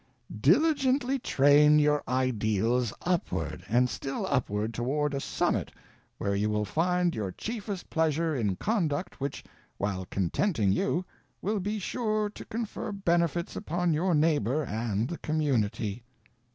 _Diligently train your ideals upward and still upward toward a summit where you will find your chiefest pleasure in conduct which, while contenting you, will be sure to confer benefits upon your neighbor and the community.